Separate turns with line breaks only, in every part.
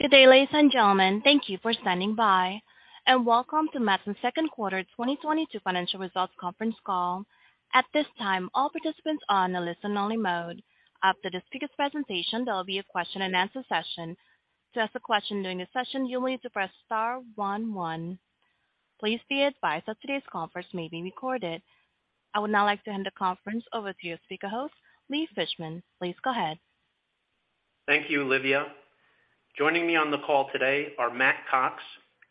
Good day, ladies and gentlemen. Thank you for standing by, and welcome to Matson's second quarter 2022 financial results conference call. At this time, all participants are on a listen only mode. After the speaker's presentation, there will be a question-and-answer session. To ask a question during the session, you'll need to press star one one. Please be advised that today's conference may be recorded. I would now like to hand the conference over to your speaker host, Lee Fishman. Please go ahead.
Thank you, Livia. Joining me on the call today are Matt Cox,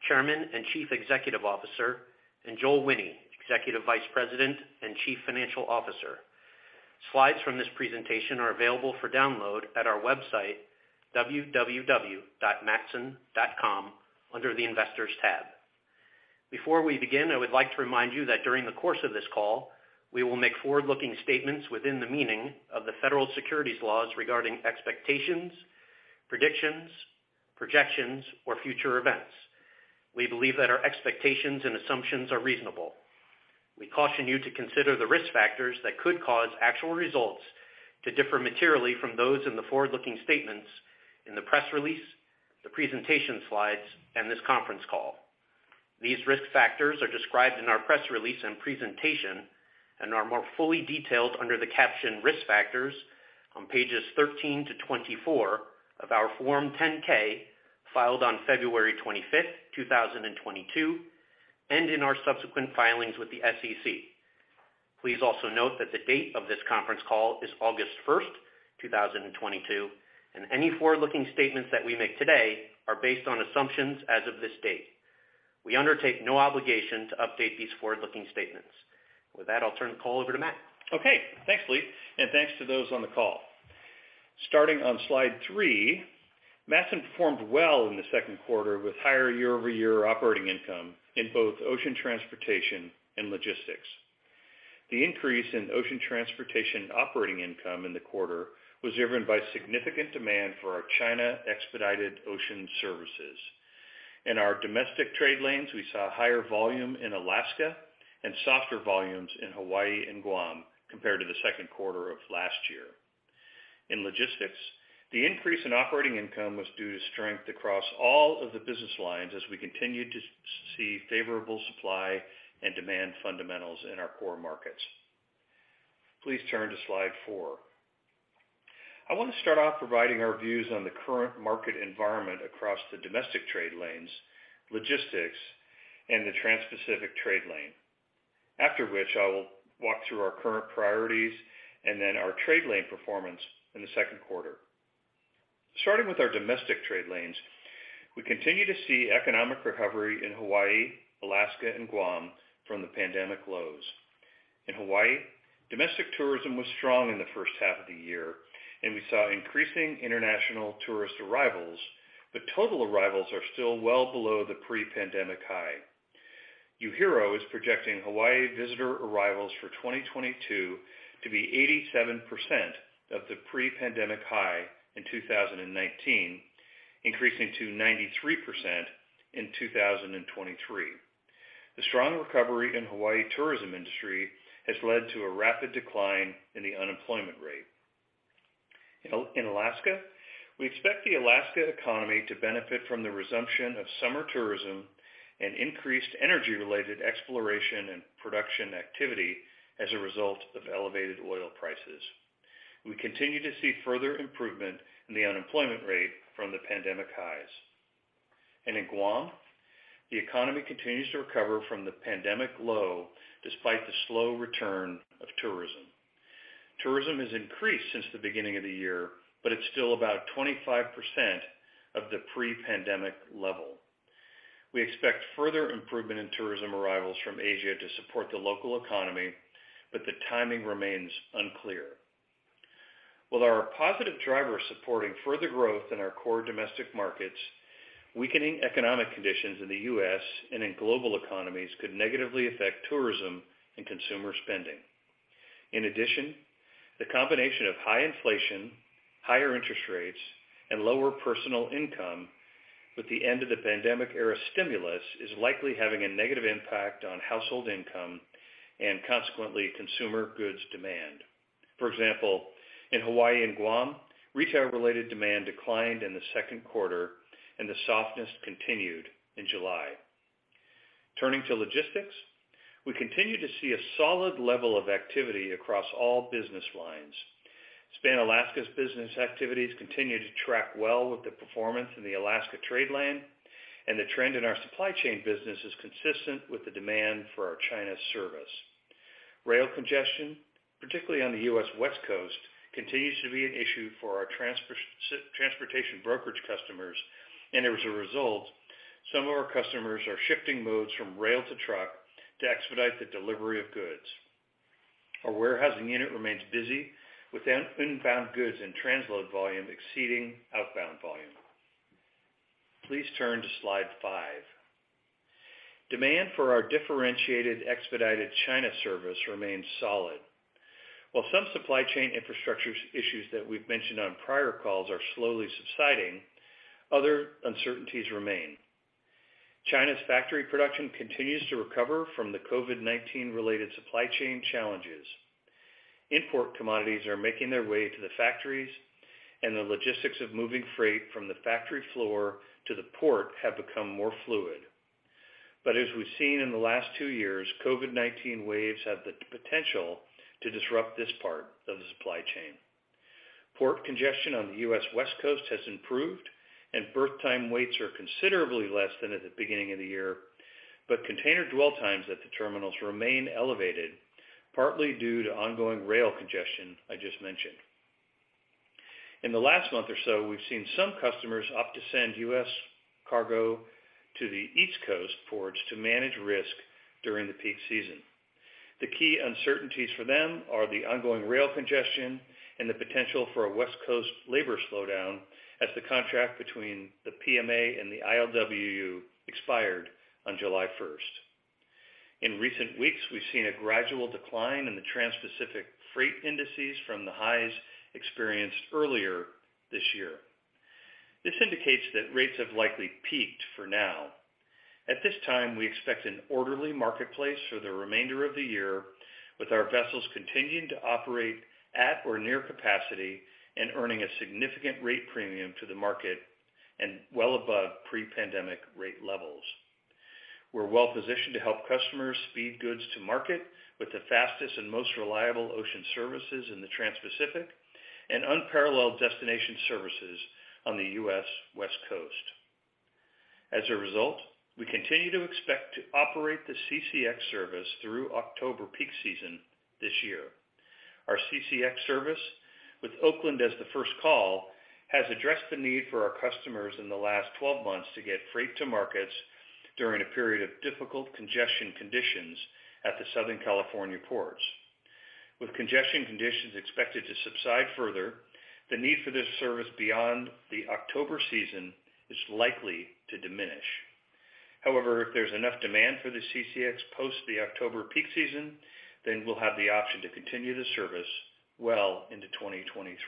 Chairman and Chief Executive Officer, and Joel Wine, Executive Vice President and Chief Financial Officer. Slides from this presentation are available for download at our website, www.matson.com, under the Investors tab. Before we begin, I would like to remind you that during the course of this call, we will make forward-looking statements within the meaning of the federal securities laws regarding expectations, predictions, projections, or future events. We believe that our expectations and assumptions are reasonable. We caution you to consider the risk factors that could cause actual results to differ materially from those in the forward-looking statements in the press release, the presentation slides, and this conference call. These risk factors are described in our press release and presentation and are more fully detailed under the caption Risk Factors on pages 13-24 of our Form 10-K, filed on February 25, 2022, and in our subsequent filings with the SEC. Please also note that the date of this conference call is August 1, 2022, and any forward-looking statements that we make today are based on assumptions as of this date. We undertake no obligation to update these forward-looking statements. With that, I'll turn the call over to Matt.
Okay, thanks, Lee, and thanks to those on the call. Starting on slide three, Matson performed well in the second quarter with higher year-over-year operating income in both ocean transportation and logistics. The increase in ocean transportation operating income in the quarter was driven by significant demand for our China expedited ocean services. In our domestic trade lanes, we saw higher volume in Alaska and softer volumes in Hawaii and Guam compared to the second quarter of last year. In logistics, the increase in operating income was due to strength across all of the business lines as we continued to see favorable supply and demand fundamentals in our core markets. Please turn to slide four. I want to start off providing our views on the current market environment across the domestic trade lanes, logistics, and the transpacific trade lane. After which, I will walk through our current priorities and then our trade lane performance in the second quarter. Starting with our domestic trade lanes, we continue to see economic recovery in Hawaii, Alaska, and Guam from the pandemic lows. In Hawaii, domestic tourism was strong in the first half of the year, and we saw increasing international tourist arrivals, but total arrivals are still well below the pre-pandemic high. UHERO is projecting Hawaii visitor arrivals for 2022 to be 87% of the pre-pandemic high in 2019, increasing to 93% in 2023. The strong recovery in Hawaii tourism industry has led to a rapid decline in the unemployment rate. In Alaska, we expect the Alaska economy to benefit from the resumption of summer tourism and increased energy-related exploration and production activity as a result of elevated oil prices. We continue to see further improvement in the unemployment rate from the pandemic highs. In Guam, the economy continues to recover from the pandemic low despite the slow return of tourism. Tourism has increased since the beginning of the year, but it's still about 25% of the pre-pandemic level. We expect further improvement in tourism arrivals from Asia to support the local economy, but the timing remains unclear. With our positive drivers supporting further growth in our core domestic markets, weakening economic conditions in the U.S. and in global economies could negatively affect tourism and consumer spending. In addition, the combination of high inflation, higher interest rates, and lower personal income with the end of the pandemic-era stimulus is likely having a negative impact on household income and consequently consumer goods demand. For example, in Hawaii and Guam, retail-related demand declined in the second quarter, and the softness continued in July. Turning to logistics. We continue to see a solid level of activity across all business lines. Span Alaska's business activities continue to track well with the performance in the Alaska trade lane, and the trend in our supply chain business is consistent with the demand for our China service. Rail congestion, particularly on the U.S. West Coast, continues to be an issue for our transportation brokerage customers, and as a result, some of our customers are shifting modes from rail to truck to expedite the delivery of goods. Our warehousing unit remains busy, with inbound goods and transload volume exceeding outbound volume. Please turn to slide five. Demand for our differentiated expedited China service remains solid. While some supply chain infrastructure issues that we've mentioned on prior calls are slowly subsiding, other uncertainties remain. China's factory production continues to recover from the COVID-19 related supply chain challenges. Import commodities are making their way to the factories, and the logistics of moving freight from the factory floor to the port have become more fluid. As we've seen in the last two years, COVID-19 waves have the potential to disrupt this part of the supply chain. Port congestion on the U.S. West Coast has improved, and berth time waits are considerably less than at the beginning of the year. Container dwell times at the terminals remain elevated, partly due to ongoing rail congestion I just mentioned. In the last month or so, we've seen some customers opt to send U.S. cargo to the East Coast ports to manage risk during the peak season. The key uncertainties for them are the ongoing rail congestion and the potential for a West Coast labor slowdown as the contract between the PMA and the ILWU expired on July first. In recent weeks, we've seen a gradual decline in the Transpacific freight indices from the highs experienced earlier this year. This indicates that rates have likely peaked for now. At this time, we expect an orderly marketplace for the remainder of the year, with our vessels continuing to operate at or near capacity and earning a significant rate premium to the market and well above pre-pandemic rate levels. We're well-positioned to help customers speed goods to market with the fastest and most reliable ocean services in the Transpacific and unparalleled destination services on the U.S. West Coast. As a result, we continue to expect to operate the CCX service through October peak season this year. Our CCX service with Oakland as the first call has addressed the need for our customers in the last 12 months to get freight to markets during a period of difficult congestion conditions at the Southern California ports. With congestion conditions expected to subside further, the need for this service beyond the October season is likely to diminish. However, if there's enough demand for the CCX post the October peak season, then we'll have the option to continue the service well into 2023.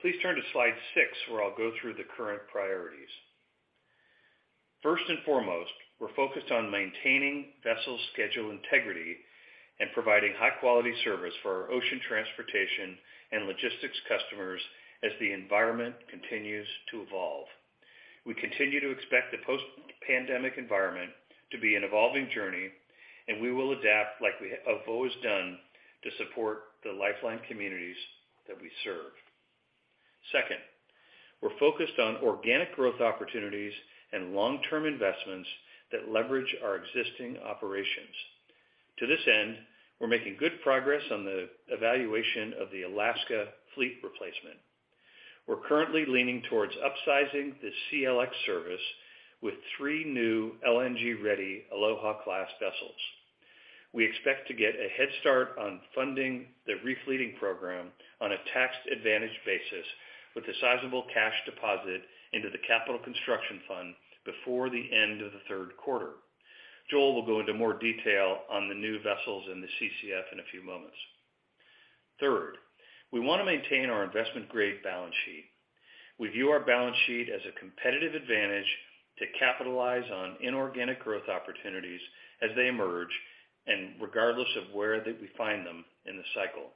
Please turn to slide 6 where I'll go through the current priorities. First and foremost, we're focused on maintaining vessel schedule integrity and providing high-quality service for our ocean transportation and logistics customers as the environment continues to evolve. We continue to expect the post-pandemic environment to be an evolving journey, and we will adapt like we have always done to support the lifeline communities that we serve. Second, we're focused on organic growth opportunities and long-term investments that leverage our existing operations. To this end, we're making good progress on the evaluation of the Alaska fleet replacement. We're currently leaning towards upsizing the CLX service with three new LNG-ready Aloha Class vessels. We expect to get a head start on funding the refleeting program on a tax-advantaged basis with a sizable cash deposit into the Capital Construction Fund before the end of the third quarter. Joel will go into more detail on the new vessels in the CCF in a few moments. Third, we wanna maintain our investment-grade balance sheet. We view our balance sheet as a competitive advantage to capitalize on inorganic growth opportunities as they emerge, and regardless of where that we find them in the cycle.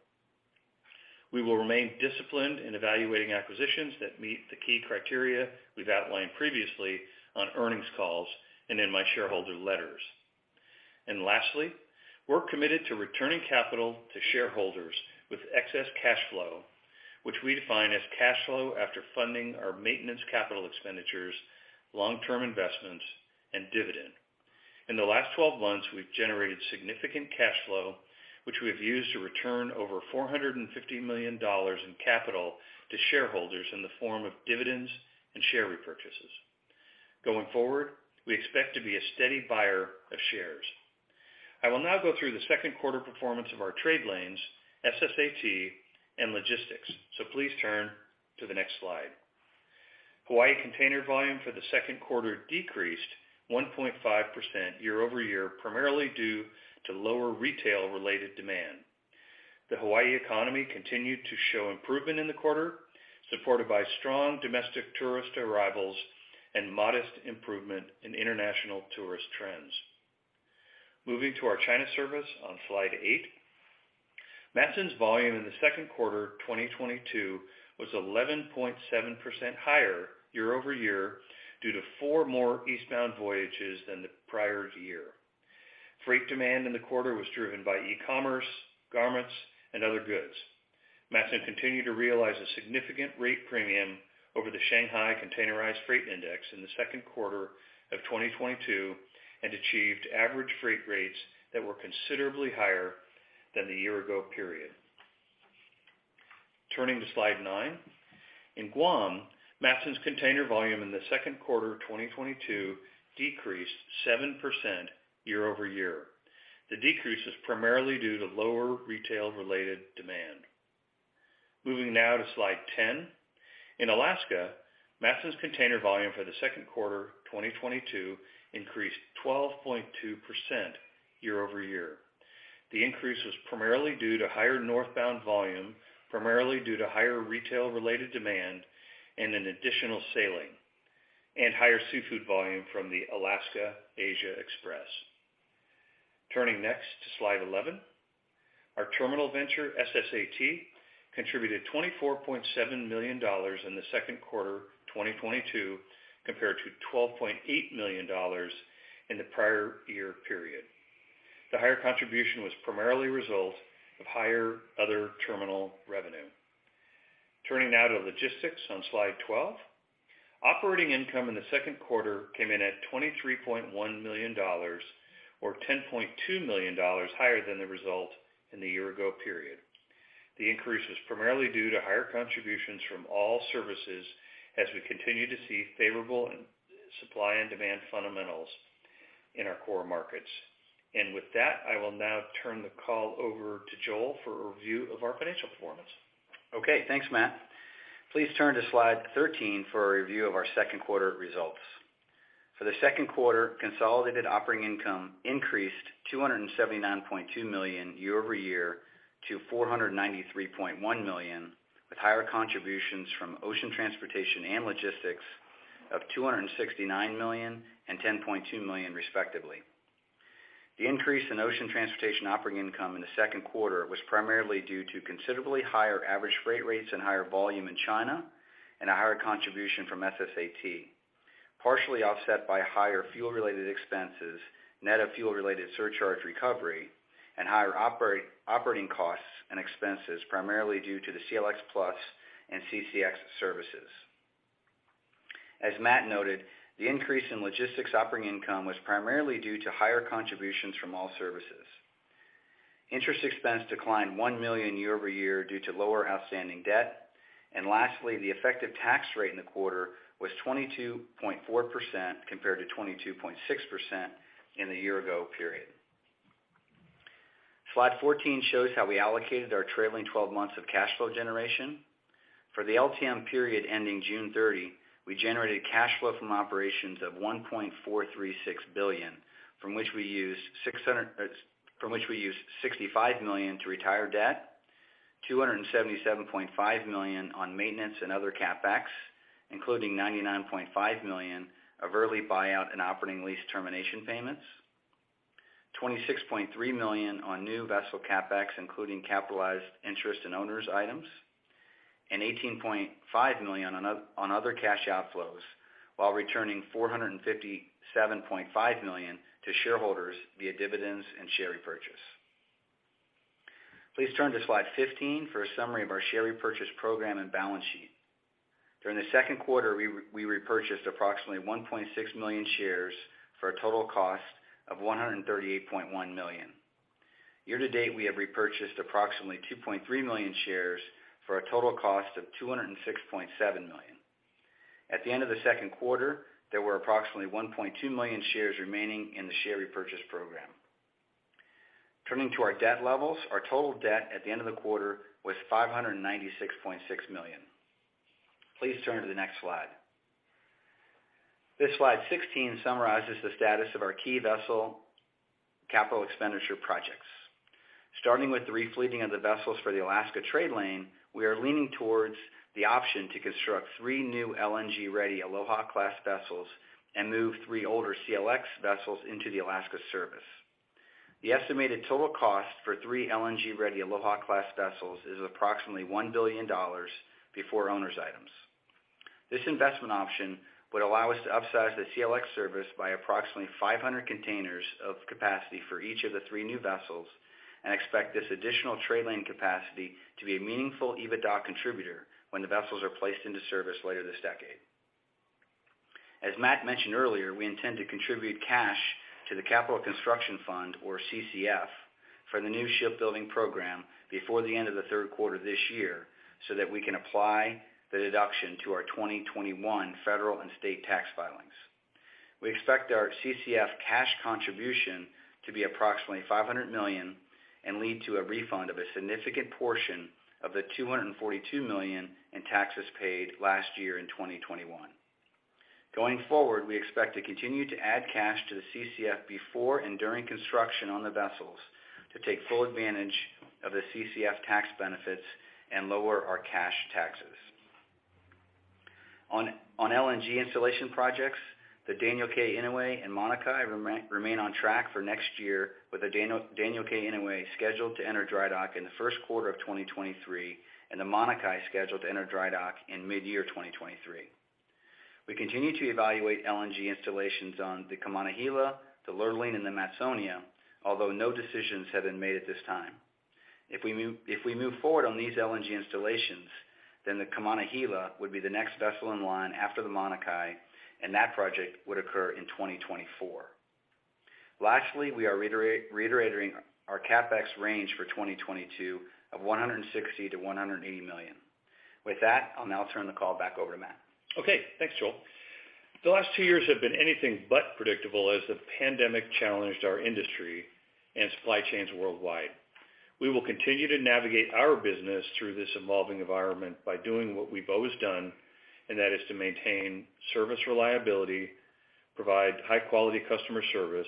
We will remain disciplined in evaluating acquisitions that meet the key criteria we've outlined previously on earnings calls and in my shareholder letters. Lastly, we're committed to returning capital to shareholders with excess cash flow, which we define as cash flow after funding our maintenance capital expenditures, long-term investments, and dividend. In the last twelve months, we've generated significant cash flow, which we have used to return over $450 million in capital to shareholders in the form of dividends and share repurchases. Going forward, we expect to be a steady buyer of shares. I will now go through the second quarter performance of our trade lanes, SSA Terminals, and logistics. Please turn to the next slide. Hawaii container volume for the second quarter decreased 1.5% year-over-year, primarily due to lower retail-related demand. The Hawaii economy continued to show improvement in the quarter, supported by strong domestic tourist arrivals and modest improvement in international tourist trends. Moving to our China service on slide 8. Matson's volume in the second quarter 2022 was 11.7% higher year-over-year due to four more eastbound voyages than the prior year. Freight demand in the quarter was driven by e-commerce, garments, and other goods. Matson continued to realize a significant rate premium over the Shanghai Containerized Freight Index in the second quarter of 2022 and achieved average freight rates that were considerably higher than the year ago period. Turning to slide 9. In Guam, Matson's container volume in the second quarter of 2022 decreased 7% year-over-year. The decrease is primarily due to lower retail-related demand. Moving now to slide 10. In Alaska, Matson's container volume for the second quarter 2022 increased 12.2% year-over-year. The increase was primarily due to higher northbound volume, primarily due to higher retail-related demand and an additional sailing, and higher seafood volume from the Alaska-Asia Express. Turning next to slide 11. Our terminal venture, SSA Terminals, contributed $24.7 million in the second quarter of 2022 compared to $12.8 million in the prior year period. The higher contribution was primarily a result of higher other terminal revenue. Turning now to logistics on slide 12. Operating income in the second quarter came in at $23.1 million or $10.2 million higher than the result in the year ago period. The increase was primarily due to higher contributions from all services as we continue to see favorable supply and demand fundamentals in our core markets. With that, I will now turn the call over to Joel for a review of our financial performance.
Okay, thanks, Matt. Please turn to slide 13 for a review of our second quarter results. For the second quarter, consolidated operating income increased $279.2 million year-over-year to $493.1 million, with higher contributions from ocean transportation and logistics of $269 million and $10.2 million, respectively. The increase in ocean transportation operating income in the second quarter was primarily due to considerably higher average freight rates and higher volume in China and a higher contribution from SSAT, partially offset by higher fuel-related expenses, net of fuel-related surcharge recovery and higher operating costs and expenses, primarily due to the CLX+ and CCX services. As Matt noted, the increase in logistics operating income was primarily due to higher contributions from all services. Interest expense declined $1 million year-over-year due to lower outstanding debt. Lastly, the effective tax rate in the quarter was 22.4% compared to 22.6% in the year ago period. Slide 14 shows how we allocated our trailing 12 months of cash flow generation. For the LTM period ending June 30, we generated cash flow from operations of $1.436 billion, from which we used $65 million to retire debt, $277.5 million on maintenance and other CapEx, including $99.5 million of early buyout and operating lease termination payments, $26.3 million on new vessel CapEx, including capitalized interest and owners items, and $18.5 million on other cash outflows while returning $457.5 million to shareholders via dividends and share repurchase. Please turn to slide 15 for a summary of our share repurchase program and balance sheet. During the second quarter, we repurchased approximately 1.6 million shares for a total cost of $138.1 million. Year-to-date, we have repurchased approximately 2.3 million shares for a total cost of $206.7 million. At the end of the second quarter, there were approximately 1.2 million shares remaining in the share repurchase program. Turning to our debt levels, our total debt at the end of the quarter was $596.6 million. Please turn to the next slide. This slide 16 summarizes the status of our key vessel capital expenditure projects. Starting with the refleeting of the vessels for the Alaska trade lane, we are leaning towards the option to construct three new LNG-ready Aloha Class vessels and move three older CLX vessels into the Alaska service. The estimated total cost for three LNG-ready Aloha Class vessels is approximately $1 billion before owners items. This investment option would allow us to upsize the CLX service by approximately 500 containers of capacity for each of the three new vessels and expect this additional trade lane capacity to be a meaningful EBITDA contributor when the vessels are placed into service later this decade. As Matt mentioned earlier, we intend to contribute cash to the Capital Construction Fund, or CCF, for the new shipbuilding program before the end of the third quarter this year, so that we can apply the deduction to our 2021 federal and state tax filings. We expect our CCF cash contribution to be approximately $500 million and lead to a refund of a significant portion of the $242 million in taxes paid last year in 2021. Going forward, we expect to continue to add cash to the CCF before and during construction on the vessels to take full advantage of the CCF tax benefits and lower our cash taxes. On LNG installation projects, the Daniel K. Inouye and Mauna Kea remain on track for next year, with the Daniel K. Inouye scheduled to enter dry dock in the first quarter of 2023, and the Mauna Kea scheduled to enter dry dock in mid-year 2023. We continue to evaluate LNG installations on the Kaimana Hila, the Lurline, and the Matsonia, although no decisions have been made at this time. If we move forward on these LNG installations, then the Kaimana Hila would be the next vessel in line after the Mauna Kea, and that project would occur in 2024. Lastly, we are reiterating our CapEx range for 2022 of $160 million-$180 million. With that, I'll now turn the call back over to Matt.
Okay, thanks, Joel. The last two years have been anything but predictable as the pandemic challenged our industry and supply chains worldwide. We will continue to navigate our business through this evolving environment by doing what we've always done, and that is to maintain service reliability, provide high-quality customer service,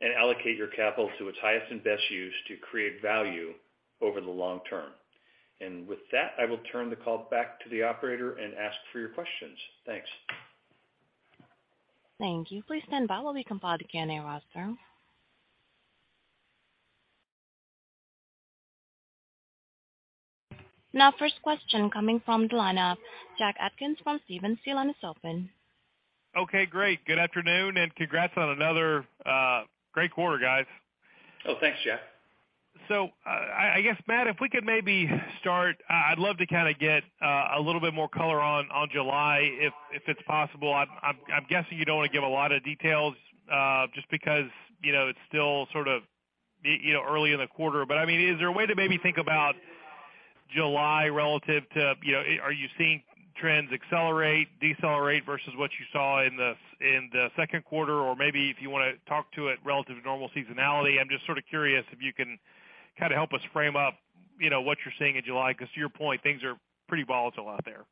and allocate your capital to its highest and best use to create value over the long term. With that, I will turn the call back to the operator and ask for your questions. Thanks.
Thank you. Please stand by while we compile the Q&A roster. Now first question coming from the line of Jack Atkins from Stephens. Your line is open.
Okay, great. Good afternoon, and congrats on another great quarter, guys.
Oh, thanks, Jack.
I guess, Matt, if we could maybe start, I'd love to kinda get a little bit more color on July if it's possible. I'm guessing you don't wanna give a lot of details just because, you know, it's still sort of you know, early in the quarter. I mean, is there a way to maybe think about July relative to, you know, are you seeing trends accelerate, decelerate versus what you saw in the second quarter? Or maybe if you wanna talk to it relative to normal seasonality. I'm just sort of curious if you can kind of help us frame up, you know, what you're seeing in July because to your point, things are pretty volatile out there.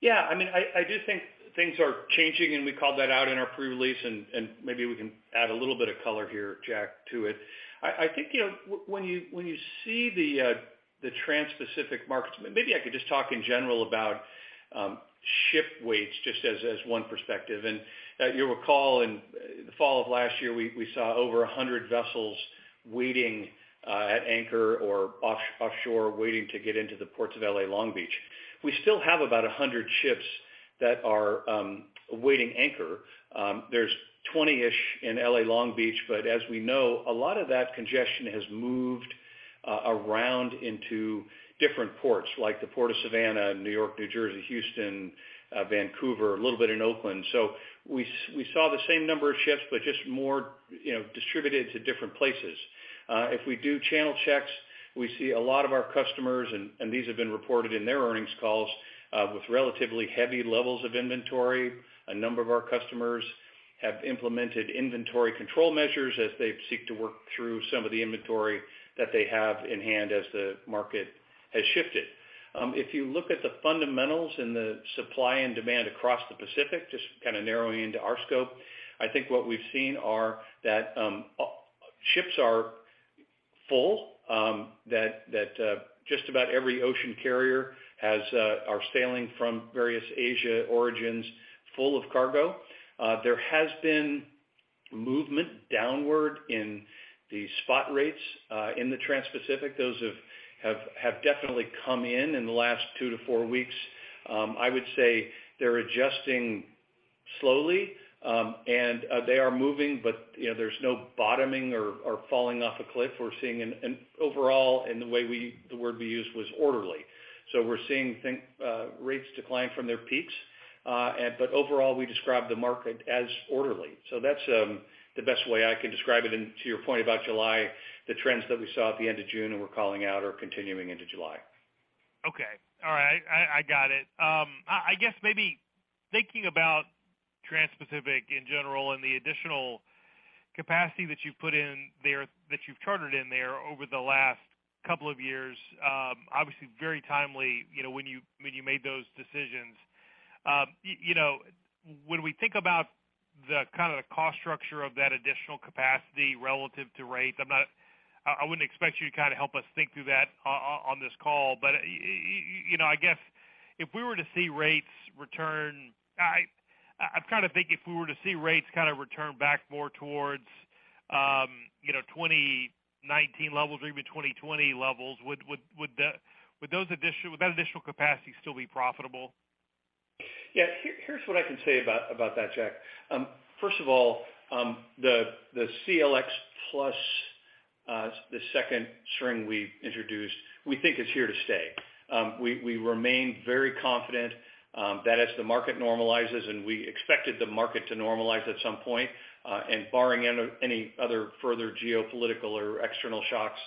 Yeah. I mean, I do think things are changing, and we called that out in our pre-release and maybe we can add a little bit of color here, Jack, to it. I think, you know, when you see the Transpacific markets, maybe I could just talk in general about ship waits just as one perspective. You'll recall in the fall of last year, we saw over 100 vessels waiting at anchor or offshore waiting to get into the ports of L.A. Long Beach. We still have about 100 ships that are awaiting anchor. There's 20-ish in L.A. Long Beach, but as we know, a lot of that congestion has moved around into different ports, like the Port of Savannah, New York, New Jersey, Houston, Vancouver, a little bit in Oakland. We saw the same number of ships, but just more, you know, distributed to different places. If we do channel checks, we see a lot of our customers, and these have been reported in their earnings calls with relatively heavy levels of inventory. A number of our customers have implemented inventory control measures as they seek to work through some of the inventory that they have in hand as the market has shifted. If you look at the fundamentals and the supply and demand across the Pacific, just kinda narrowing into our scope, I think what we've seen are that ships are full, that just about every ocean carrier has are sailing from various Asia origins full of cargo. There has been movement downward in the spot rates in the Transpacific. Those have definitely come in the last two to four weeks. I would say they're adjusting slowly, and they are moving, but you know, there's no bottoming or falling off a cliff. We're seeing an overall. The word we used was orderly. So we're seeing rates decline from their peaks, but overall, we describe the market as orderly. That's the best way I can describe it. To your point about July, the trends that we saw at the end of June and we're calling out are continuing into July.
Okay. All right. I got it. I guess maybe thinking about transpacific in general and the additional capacity that you've put in there, that you've chartered in there over the last couple of years, obviously very timely, you know, when you made those decisions. You know, when we think about the kind of cost structure of that additional capacity relative to rate, I'm not. I wouldn't expect you to kind of help us think through that on this call. You know, I guess if we were to see rates return, I'm trying to think if we were to see rates kind of return back more towards, you know, 2019 levels or even 2020 levels, would the, would that additional capacity still be profitable?
Yeah. Here's what I can say about that, Jack. First of all, the CLX+, the second string we introduced, we think is here to stay. We remain very confident that as the market normalizes, and we expected the market to normalize at some point, and barring any other further geopolitical or external shocks,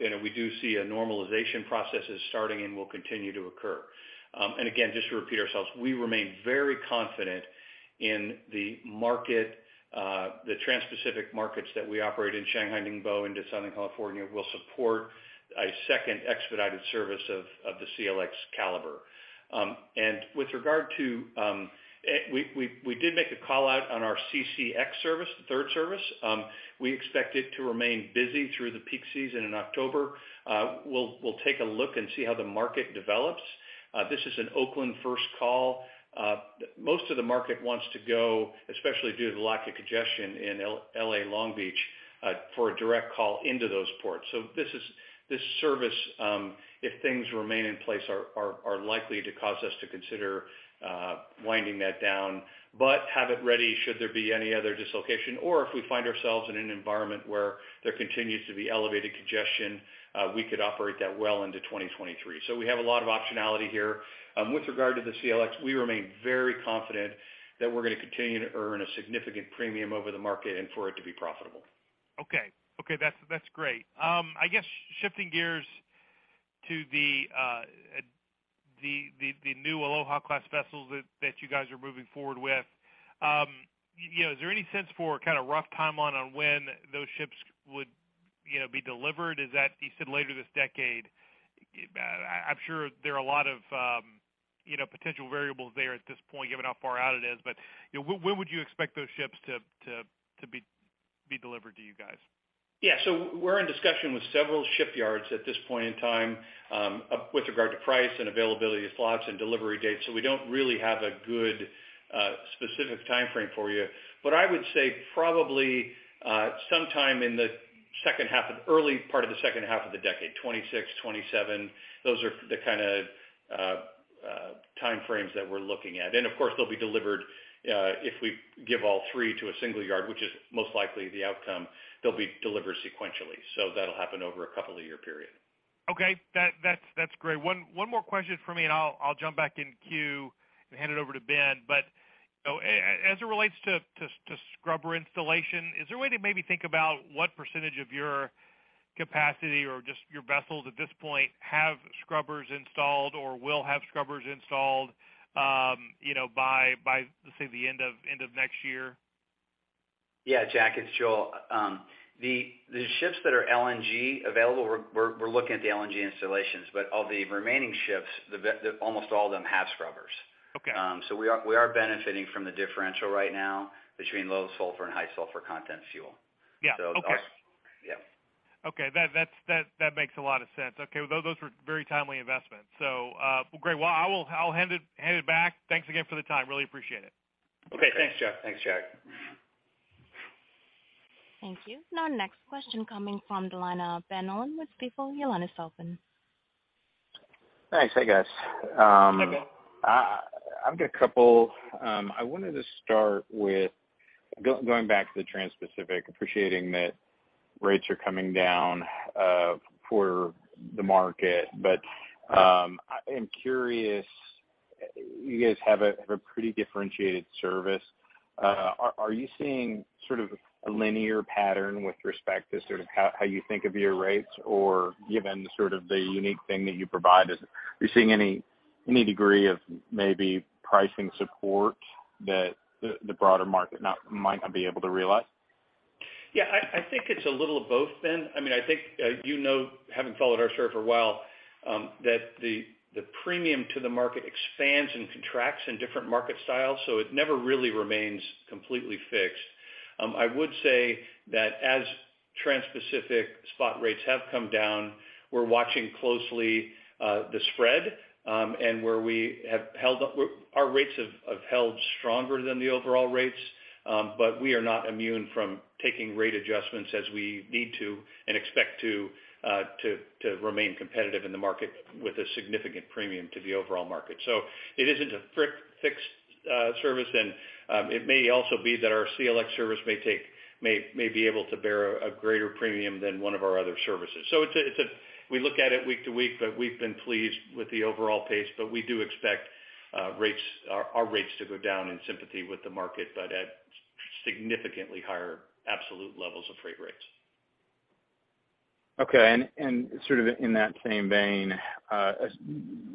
you know, we do see a normalization process is starting and will continue to occur. Again, just to repeat ourselves, we remain very confident in the market, the Transpacific markets that we operate in Shanghai, Ningbo into Southern California will support a second expedited service of the CLX+ caliber. With regard to, we did make a call out on our CCX service, the third service. We expect it to remain busy through the peak season in October. We'll take a look and see how the market develops. This is an Oakland first call. Most of the market wants to go, especially due to the lack of congestion in L.A. Long Beach, for a direct call into those ports. This service, if things remain in place, are likely to cause us to consider winding that down, but have it ready should there be any other dislocation. If we find ourselves in an environment where there continues to be elevated congestion, we could operate that well into 2023. We have a lot of optionality here. With regard to the CLX, we remain very confident that we're gonna continue to earn a significant premium over the market and for it to be profitable.
Okay. That's great. I guess shifting gears to the new Aloha Class vessels that you guys are moving forward with. You know, is there any sense of a kind of rough timeline on when those ships would, you know, be delivered? You said later this decade. I'm sure there are a lot of you know, potential variables there at this point, given how far out it is. You know, when would you expect those ships to be delivered to you guys?
Yeah. We're in discussion with several shipyards at this point in time, with regard to price and availability of slots and delivery dates. We don't really have a good, specific timeframe for you. I would say probably, sometime in the second half, early part of the second half of the decade, 2026, 2027. Those are the kinda timeframes that we're looking at. Of course, they'll be delivered, if we give all three to a single yard, which is most likely the outcome, they'll be delivered sequentially. That'll happen over a couple of year period.
Okay. That's great. One more question for me, and I'll jump back in queue and hand it over to Ben. As it relates to scrubber installation, is there a way to maybe think about what percentage of your capacity or just your vessels at this point have scrubbers installed or will have scrubbers installed, you know, by let's say the end of next year?
Yeah, Jack, it's Joel. The ships that are LNG available, we're looking at the LNG installations. Of the remaining ships, almost all of them have scrubbers.
Okay.
We are benefiting from the differential right now between low sulfur and high sulfur content fuel.
Yeah. Okay.
Yeah.
Okay. That makes a lot of sense. Okay. Well, those were very timely investments. Well, great. Well, I will hand it back. Thanks again for the time. Really appreciate it.
Okay, thanks, Jack.
Thanks, Jack.
Thank you. Now, next question coming from the line of Ben Nolan with Stifel. Your line is open.
Thanks. Hey, guys.
Hey, Ben.
I've got a couple. I wanted to start with going back to the transpacific, appreciating that rates are coming down for the market. I'm curious, you guys have a pretty differentiated service. Are you seeing sort of a linear pattern with respect to sort of how you think of your rates? Or given the sort of the unique thing that you provide, are you seeing any degree of maybe pricing support that the broader market might not be able to realize?
Yeah, I think it's a little of both, Ben. I mean, I think, you know, having followed our share for a while, that the premium to the market expands and contracts in different market styles, so it never really remains completely fixed. I would say that as Transpacific spot rates have come down, we're watching closely the spread, and where we have held up. Our rates have held stronger than the overall rates, but we are not immune from taking rate adjustments as we need to and expect to remain competitive in the market with a significant premium to the overall market. So it isn't a fixed service, and it may also be that our CLX service may be able to bear a greater premium than one of our other services. We look at it week to week, but we've been pleased with the overall pace, but we do expect our rates to go down in sympathy with the market, but at significantly higher absolute levels of freight rates.
Sort of in that same vein,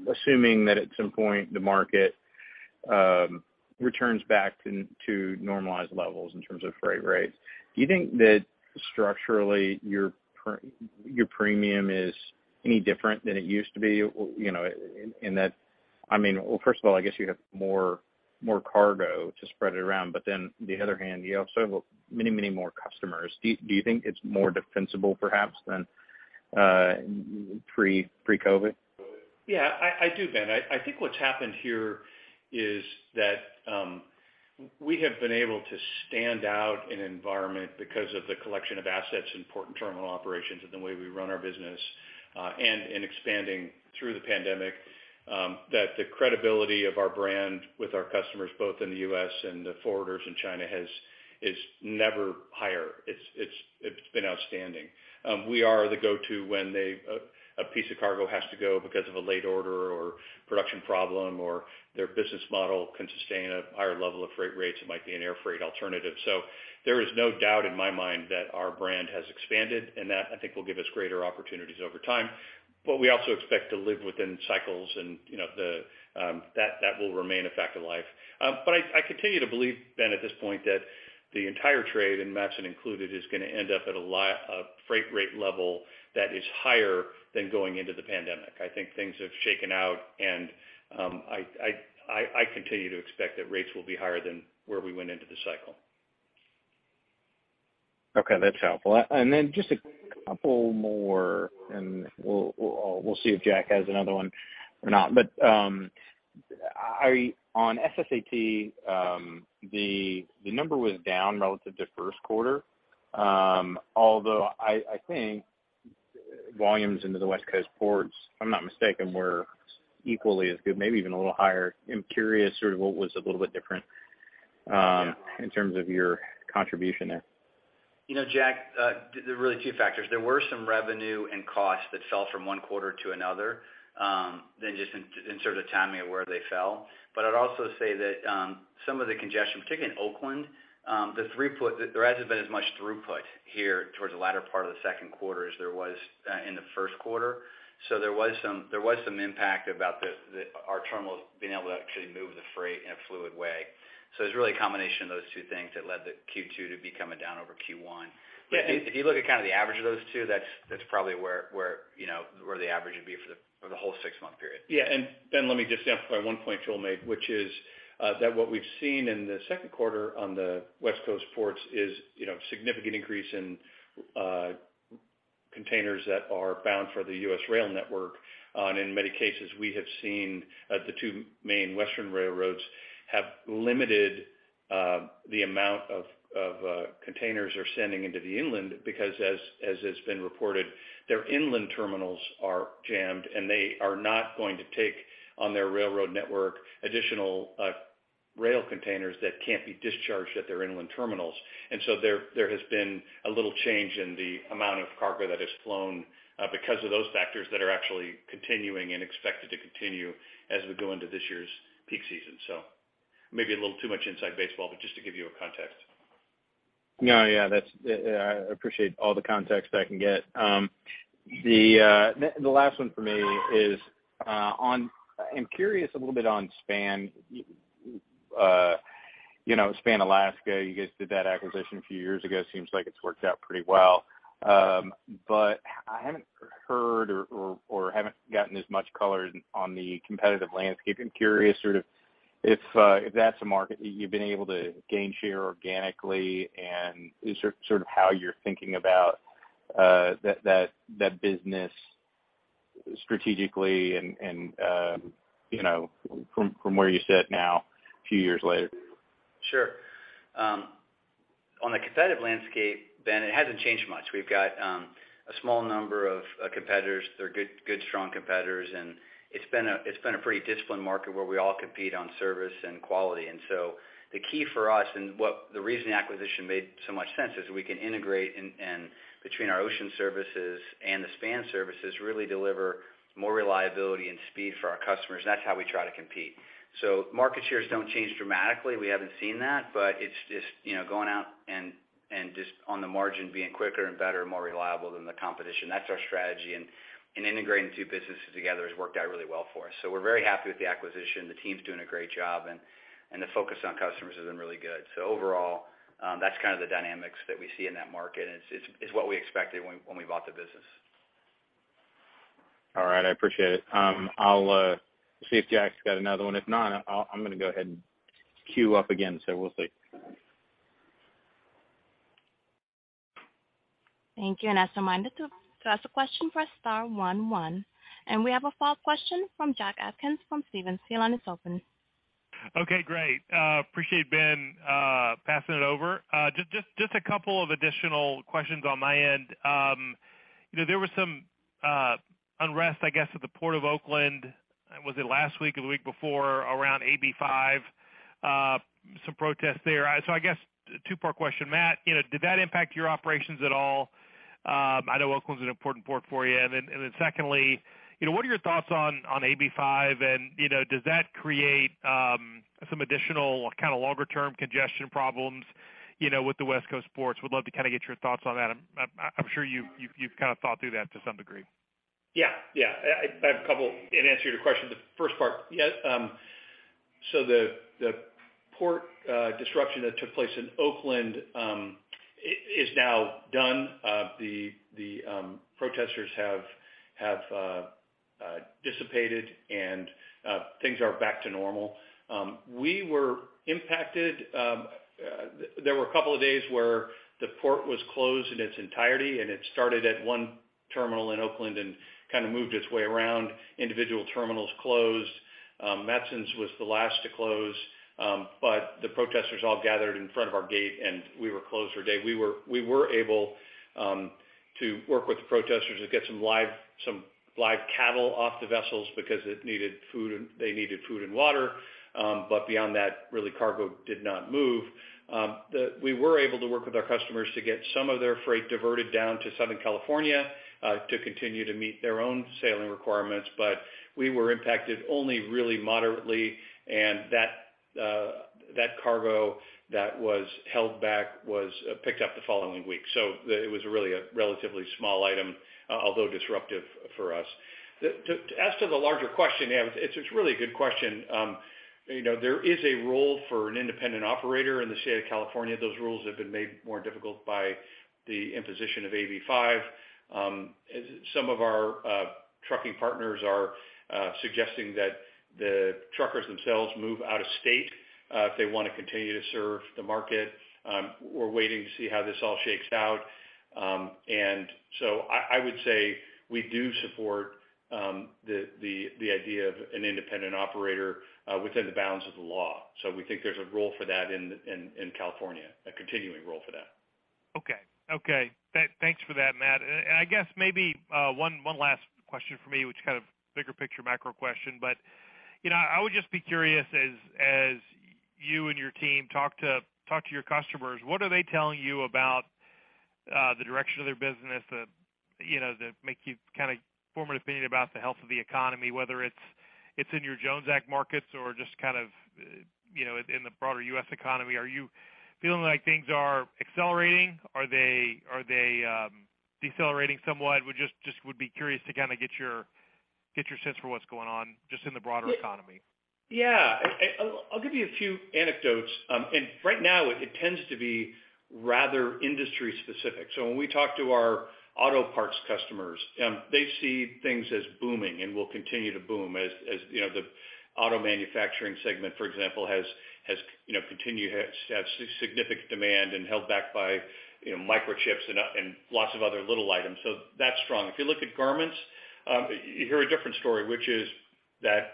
assuming that at some point, the market returns back to normalized levels in terms of freight rates, do you think that structurally your premium is any different than it used to be? You know, in that, I mean, well, first of all, I guess you have more cargo to spread it around, on the other hand, you also have many more customers. Do you think it's more defensible perhaps than pre-COVID?
Yeah, I do, Ben. I think what's happened here is that we have been able to stand out in this environment because of the collection of assets, important terminal operations, and the way we run our business, and in expanding through the pandemic, that the credibility of our brand with our customers, both in the U.S. and the forwarders in China has never been higher. It's been outstanding. We are the go-to when a piece of cargo has to go because of a late order or production problem or their business model can sustain a higher level of freight rates. It might be an air freight alternative. There is no doubt in my mind that our brand has expanded, and that I think will give us greater opportunities over time. We also expect to live within cycles and, you know, that will remain a fact of life. I continue to believe, Ben, at this point that the entire trade and Matson included is gonna end up at a freight rate level that is higher than going into the pandemic. I think things have shaken out, and I continue to expect that rates will be higher than where we went into the cycle.
Okay, that's helpful. Just a couple more, and we'll see if Jack has another one or not. On SSA Terminals, the number was down relative to first quarter. Although I think volumes into the West Coast ports, if I'm not mistaken, were equally as good, maybe even a little higher. I'm curious sort of what was a little bit different in terms of your contribution there.
You know, Jack, there are really two factors. There were some revenue and costs that fell from one quarter to another than just in sort of the timing of where they fell. I'd also say that some of the congestion, particularly in Oakland, the throughput, there hasn't been as much throughput here towards the latter part of the second quarter as there was in the first quarter. There was some impact about the our terminals being able to actually move the freight in a fluid way. It's really a combination of those two things that led the Q2 to be coming down over Q1. Yeah, if you look at kind of the average of those two, that's probably where you know where the average would be for the whole six-month period.
Let me just amplify one point Joel made, which is that what we've seen in the second quarter on the West Coast ports is, you know, significant increase in containers that are bound for the U.S. rail network. In many cases, we have seen the two main western railroads have limited the amount of containers they're sending into the inland because as has been reported, their inland terminals are jammed, and they are not going to take on their railroad network additional rail containers that can't be discharged at their inland terminals. There has been a little change in the amount of cargo that has flowed because of those factors that are actually continuing and expected to continue as we go into this year's peak season. Maybe a little too much inside baseball, but just to give you a context.
No. Yeah, that's. Yeah, I appreciate all the context I can get. The last one for me is on Span. I'm curious a little bit on Span. You know, Span Alaska, you guys did that acquisition a few years ago. Seems like it's worked out pretty well. But I haven't heard or haven't gotten as much color on the competitive landscape. I'm curious sort of if that's a market you've been able to gain share organically, and is sort of how you're thinking about that business strategically and you know, from where you sit now, a few years later?
Sure. On the competitive landscape, Ben, it hasn't changed much. We've got a small number of competitors. They're good strong competitors, and it's been a pretty disciplined market where we all compete on service and quality. The key for us, and what the reason the acquisition made so much sense, is we can integrate and between our ocean services and the Span services, really deliver more reliability and speed for our customers. That's how we try to compete. Market shares don't change dramatically. We haven't seen that, but it's just, you know, going out and just on the margin, being quicker and better, more reliable than the competition. That's our strategy. Integrating two businesses together has worked out really well for us. We're very happy with the acquisition. The team's doing a great job, and the focus on customers has been really good. Overall, that's kind of the dynamics that we see in that market, and it's what we expected when we bought the business.
All right. I appreciate it. I'll see if Jack's got another one. If not, I'm gonna go ahead and queue up again, so we'll see.
Thank you. As a reminder to ask a question, press star one one. We have a follow-up question from Jack Atkins from Stephens. Your line is open.
Okay, great. Appreciate Ben passing it over. Just a couple of additional questions on my end. You know, there was some unrest, I guess, at the Port of Oakland, was it last week or the week before around AB5. Some protests there. So I guess two-part question, Matt. You know, did that impact your operations at all? I know Oakland's an important port for you. Secondly, you know, what are your thoughts on AB5 and, you know, does that create some additional kind of longer term congestion problems, you know, with the West Coast ports? Would love to kinda get your thoughts on that. I'm sure you've kind of thought through that to some degree.
Yeah. Yeah. I have a couple in answer to your question. The first part, yes. The port disruption that took place in Oakland is now done. The protesters have dissipated and things are back to normal. We were impacted. There were a couple of days where the port was closed in its entirety, and it started at one terminal in Oakland and kind of moved its way around. Individual terminals closed. Matson's was the last to close. The protesters all gathered in front of our gate, and we were closed for a day. We were able to work with the protesters to get some live cattle off the vessels because it needed food and they needed food and water. Beyond that, really cargo did not move. We were able to work with our customers to get some of their freight diverted down to Southern California to continue to meet their own sailing requirements, but we were impacted only really moderately. That cargo that was held back was picked up the following week. It was really a relatively small item, although disruptive for us. As to the larger question, yeah, it's really a good question. You know, there is a role for an independent operator in the state of California. Those rules have been made more difficult by the imposition of AB5. Some of our trucking partners are suggesting that the truckers themselves move out of state if they wanna continue to serve the market. We're waiting to see how this all shakes out. I would say we do support the idea of an independent operator within the bounds of the law. We think there's a role for that in California, a continuing role for that.
Okay. Thanks for that, Matt. I guess maybe one last question for me, which is kind of bigger picture macro question, but you know, I would just be curious as you and your team talk to your customers, what are they telling you about the direction of their business, you know, that make you kinda form an opinion about the health of the economy, whether it's in your Jones Act markets or just kind of you know, in the broader U.S. economy? Are you feeling like things are accelerating? Are they decelerating somewhat. We just would be curious to kind of get your sense for what's going on just in the broader economy.
I'll give you a few anecdotes. Right now it tends to be rather industry specific. When we talk to our auto parts customers, they see things as booming and will continue to boom as, you know, the auto manufacturing segment, for example, has, you know, continued to have significant demand and held back by, you know, microchips and lots of other little items. That's strong. If you look at garments, you hear a different story, which is that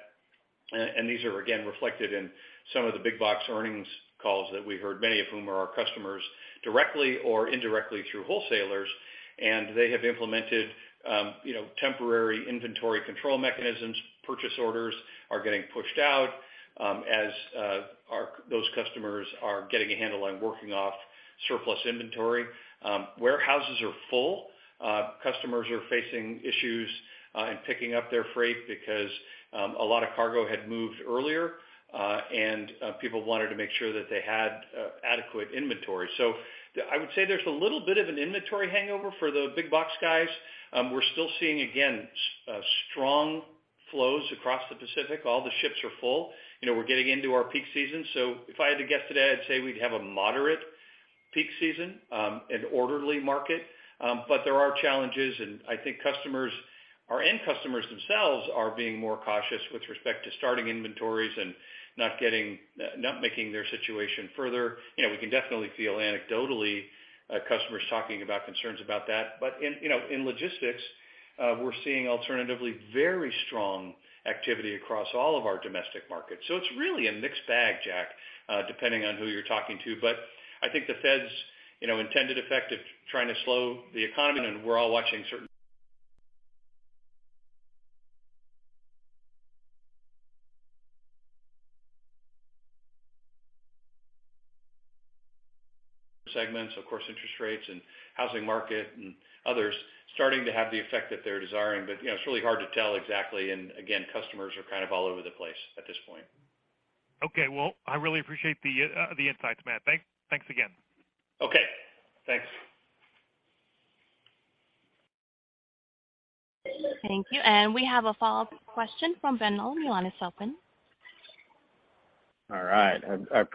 and these are again reflected in some of the big box earnings calls that we heard, many of whom are our customers directly or indirectly through wholesalers. They have implemented, you know, temporary inventory control mechanisms. Purchase orders are getting pushed out, as those customers are getting a handle on working off surplus inventory. Warehouses are full. Customers are facing issues in picking up their freight because a lot of cargo had moved earlier, and people wanted to make sure that they had adequate inventory. I would say there's a little bit of an inventory hangover for the big box guys. We're still seeing, again, strong flows across the Pacific. All the ships are full. You know, we're getting into our peak season. If I had to guess today, I'd say we'd have a moderate peak season, an orderly market. But there are challenges, and I think customers, our end customers themselves are being more cautious with respect to starting inventories and not making their situation further. You know, we can definitely feel anecdotally, customers talking about concerns about that. In logistics, you know, we're seeing alternately very strong activity across all of our domestic markets. It's really a mixed bag, Jack, depending on who you're talking to. I think the Fed's, you know, intended effect of trying to slow the economy, and we're all watching certain segments, of course, interest rates and housing market and others starting to have the effect that they're desiring. You know, it's really hard to tell exactly. Again, customers are kind of all over the place at this point.
Okay. Well, I really appreciate the insights, Matt. Thanks again.
Okay, thanks.
Thank you. We have a follow-up question from Ben Nolan. Your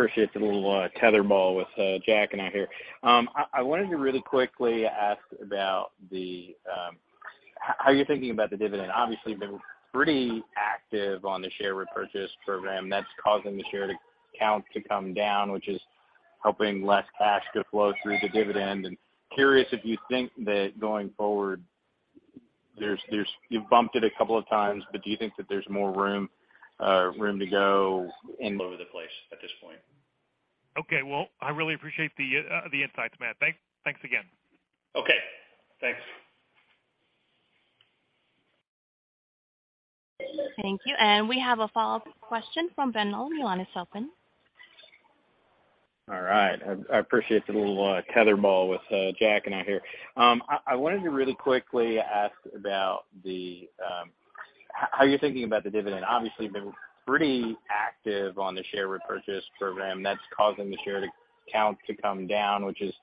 line is open.
All right. I appreciate the little tetherball with Jack and I here. I wanted to really quickly ask about how you're thinking about the dividend. Obviously, you've been pretty active on the share repurchase program that's causing the share counts to come down, which is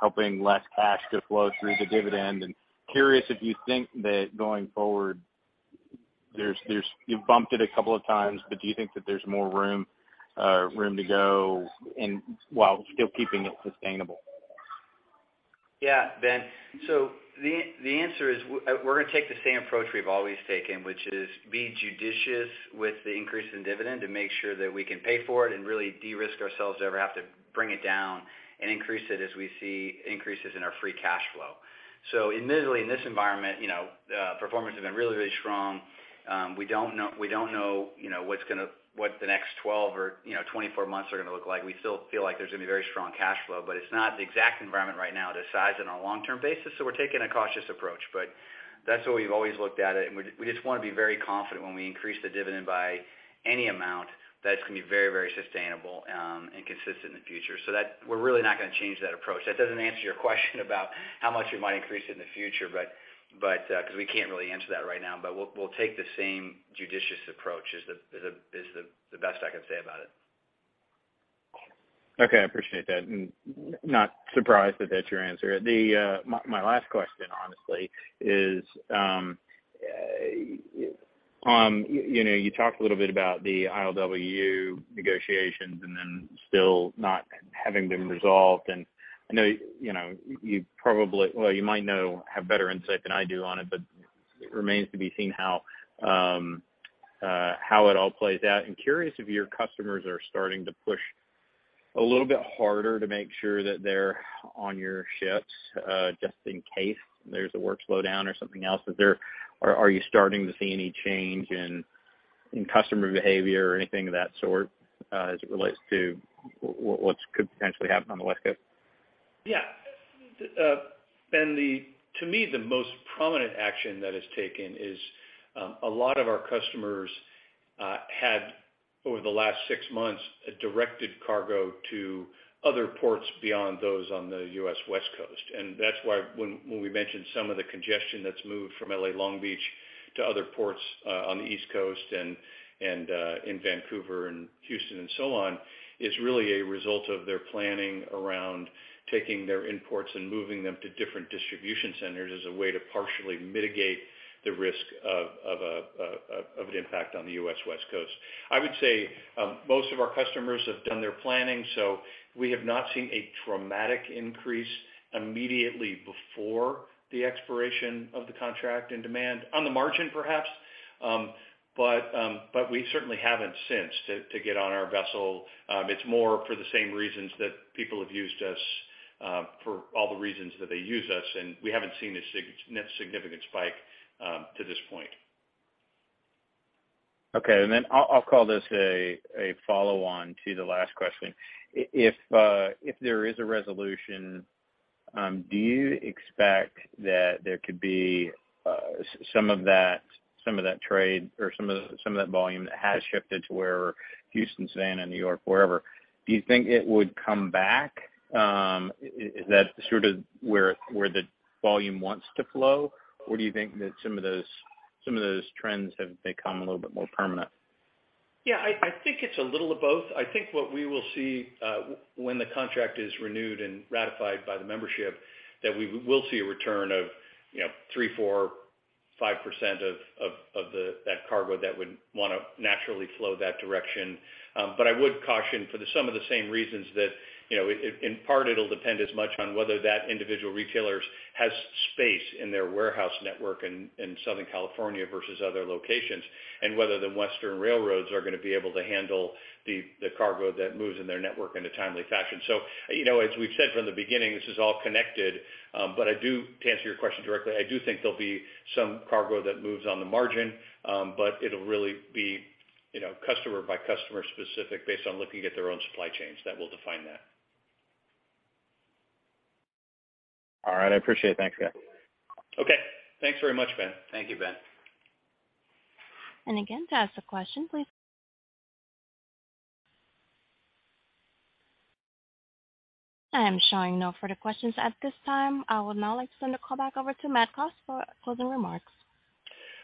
helping less cash to flow through the dividend. Curious if you think that going forward, you've bumped it a couple of times, but do you think that there's more room to go and- Over the place at this point.
Yeah, Ben. The answer is we're gonna take the same approach we've always taken, which is be judicious with the increase in dividend to make sure that we can pay for it and really de-risk ourselves to ever have to bring it down and increase it as we see increases in our free cash flow. Admittedly, in this environment, you know, performance has been really strong. We don't know, you know, what the next 12 or, you know, 24 months are gonna look like. We still feel like there's gonna be very strong cash flow, but it's not the exact environment right now to size it on a long-term basis, so we're taking a cautious approach. That's what we've always looked at, and we just wanna be very confident when we increase the dividend by any amount that it's gonna be very sustainable and consistent in the future. We're really not gonna change that approach. That doesn't answer your question about how much we might increase it in the future, but 'cause we can't really answer that right now. We'll take the same judicious approach is the best I can say about it.
Okay. I appreciate that. Not surprised that that's your answer. My last question, honestly, is, you know, you talked a little bit about the ILWU negotiations and then still not having been resolved. I know, you know, you might know, have better insight than I do on it, but it remains to be seen how it all plays out. I'm curious if your customers are starting to push a little bit harder to make sure that they're on your ships, just in case there's a work slowdown or something else. Are you starting to see any change in customer behavior or anything of that sort, as it relates to what could potentially happen on the West Coast?
Yeah. Ben, to me, the most prominent action that is taken is a lot of our customers had over the last six months directed cargo to other ports beyond those on the U.S. West Coast. That's why when we mentioned some of the congestion that's moved from L.A. Long Beach to other ports on the East Coast and in Vancouver and Houston and so on is really a result of their planning around taking their imports and moving them to different distribution centers as a way to partially mitigate the risk of an impact on the U.S. West Coast. I would say most of our customers have done their planning, so we have not seen a dramatic increase immediately before the expiration of the contract in demand on the margin, perhaps, but we certainly haven't seen fit to get on our vessel. It's more for the same reasons that people have used us for all the reasons that they use us, and we haven't seen a significant spike to this point.
Okay. I'll call this a follow-on to the last question. If there is a resolution, do you expect that there could be some of that trade or some of that volume that has shifted to where Houston, Savannah, New York, wherever, do you think it would come back? Is that sort of where the volume wants to flow? Or do you think that some of those trends have become a little bit more permanent?
Yeah, I think it's a little of both. I think what we will see, when the contract is renewed and ratified by the membership, that we will see a return of, you know, 3%-5% of that cargo that would wanna naturally flow that direction. I would caution for some of the same reasons that, you know, in part, it'll depend as much on whether that individual retailers has space in their warehouse network in Southern California versus other locations, and whether the Western railroads are gonna be able to handle the cargo that moves in their network in a timely fashion. You know, as we've said from the beginning, this is all connected. To answer your question directly, I do think there'll be some cargo that moves on the margin. It'll really be, you know, customer by customer specific based on looking at their own supply chains that will define that.
All right, I appreciate it. Thanks, guys.
Okay. Thanks very much, Ben.
Thank you, Ben. Again, to ask a question, please. I am showing no further questions at this time. I would now like to send the call back over to Matt Cox for closing remarks.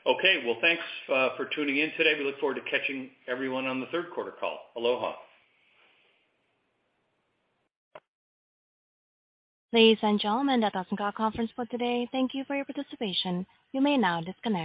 Okay. Well, thanks for tuning in today. We look forward to catching everyone on the third quarter call. Aloha.
Ladies and gentlemen, that does end our conference call today. Thank you for your participation. You may now disconnect.